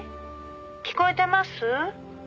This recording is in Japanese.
聞こえてます？」